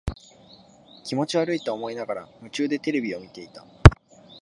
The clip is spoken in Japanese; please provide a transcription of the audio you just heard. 気持ち悪いと思いながら、夢中でテレビを見ていた。